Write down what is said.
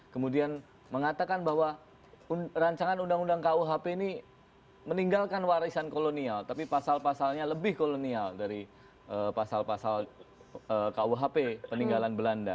kemudian mengatakan bahwa rancangan undang undang kuhp ini meninggalkan warisan kolonial tapi pasal pasalnya lebih kolonial dari pasal pasal kuhp peninggalan belanda